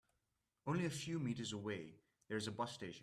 Only a few meters away there is a bus station.